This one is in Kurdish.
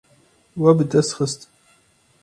We bi dest xist.